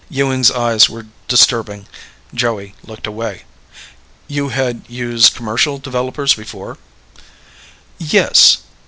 Ewing's eyes were disturbing. Joey looked away. "You had used commercial developers before?" "Yes."